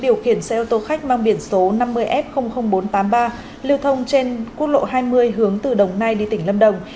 điều khiển xe ô tô khách mang biển số năm mươi f bốn trăm tám mươi ba liều thông trên quốc lộ hai mươi hướng từ đồng nai đi tỉnh lâm đồng